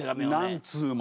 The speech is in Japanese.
何通も。